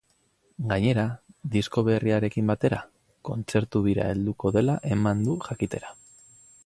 Gainera, disko berriarekin batera, kontzertu bira helduko dela eman du jakitera.